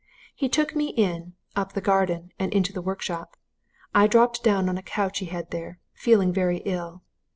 He took me in, up the garden, and into the workshop: I dropped down on a couch he had there, feeling very ill.